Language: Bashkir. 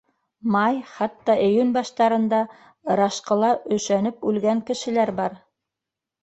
Май, хатта июнь баштарында ырашҡыла өшәнеп үлгән кешеләр бар.